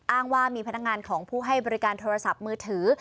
อ้างว่ามีพนักงานของผู้ให้บริการโทรศัพท์มือถือ